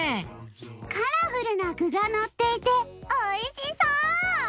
カラフルなぐがのっていておいしそう！